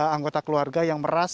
anggota keluarga yang merangkul